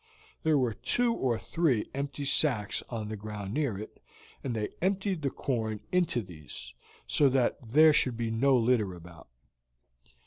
There were two or three empty sacks on the ground near it, and they emptied the corn into these, so that there should be no litter about.